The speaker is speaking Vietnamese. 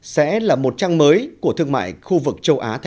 sẽ là một trang mới của thương mại khu vực